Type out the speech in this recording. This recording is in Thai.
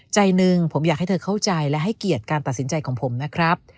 ใจหนึ่งผมอยากให้เธอเข้าใจและให้เกียรติการตัดสินใจของผมนะครับ